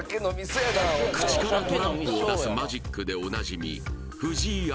口からトランプを出すマジックでおなじみ